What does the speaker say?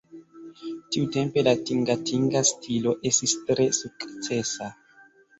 Tiutempe la tingatinga stilo estis tre sukcesa.